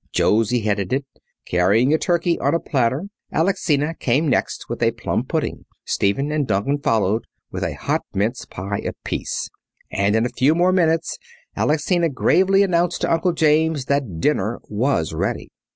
Josie headed it, carrying a turkey on a platter. Alexina came next with a plum pudding. Stephen and Duncan followed with a hot mince pie apiece. And in a few more minutes Alexina gravely announced to Uncle James that dinner was ready.